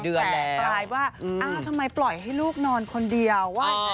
แต่กลายว่าอ้าวทำไมปล่อยให้ลูกนอนคนเดียวว่า